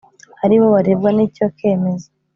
Ari bo barebwa n icyo kemezo